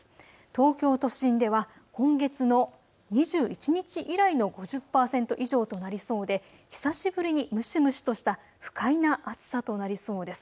東京都心では今月の２１日以来の５０％以上となりそうで久しぶりに蒸し蒸しとした不快な暑さとなりそうです。